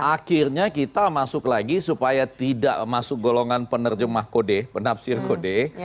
akhirnya kita masuk lagi supaya tidak masuk golongan penerjemah kode penafsir kode